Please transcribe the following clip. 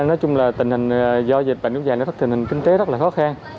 nói chung là tình hình do dịch bệnh cũng dài tình hình kinh tế rất là khó khăn